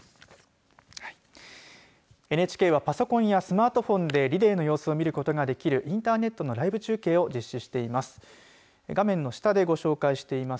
ＮＨＫはパソコンやスマートフォンでリレーの様子が見ることができるインターネットライブ中継を実施しています。